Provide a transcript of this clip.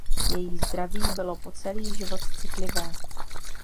Její zdraví bylo po celý život citlivé.